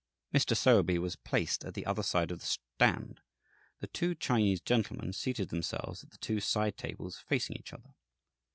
Mr. Sowerby was placed at the other side of the stand; the two Chinese gentlemen seated themselves at the two side tables, facing each other.